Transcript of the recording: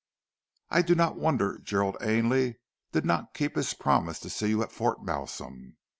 "I do not wonder Gerald Ainley did not keep his promise to see you at Fort Malsun.